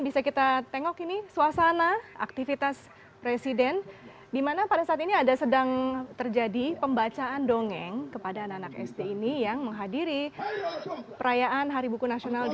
bisa kita tengok ini suasana aktivitas presiden di mana pada saat ini ada sedang terjadi pembacaan dongeng kepada anak anak sd ini yang menghadiri perayaan hari buku nasional